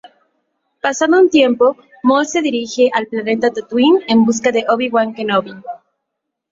Pasado un tiempo, Maul se dirige al planeta Tatooine en busca de Obi-Wan Kenobi.